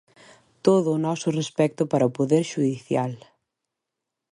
Todo o noso respecto para o poder xudicial.